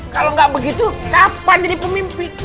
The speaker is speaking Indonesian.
kalau nggak begitu kapan jadi pemimpin